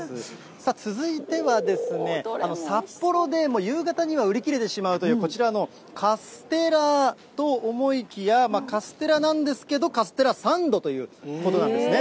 さあ、続いては、札幌で夕方には売り切れてしまうという、こちらのカステラと思いきや、カステラなんですけど、カステラサンドということなんですね。